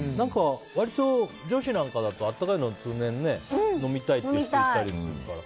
割と女子なんかだと温かいの通年飲みたいって人いたりするから。